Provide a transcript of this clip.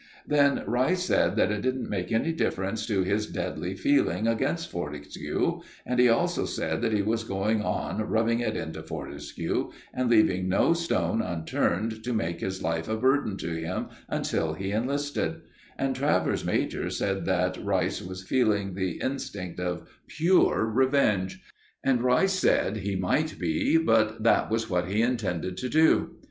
Then Rice said that it didn't make any difference to his deadly feeling against Fortescue, and he also said that he was going on rubbing it into Fortescue, and leaving no stone unturned to make his life a burden to him until he enlisted; and Travers major said that Rice was feeling the instinct of pure revenge, and Rice said he might be, but that was what he intended to do.